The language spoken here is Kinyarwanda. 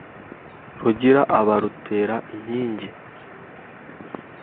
Rugira abarutera inkingi